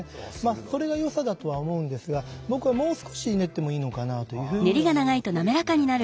それがよさだとは思うんですが僕はもう少し練ってもいいのかなというふうには思います。